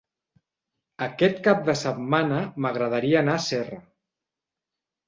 Aquest cap de setmana m'agradaria anar a Serra.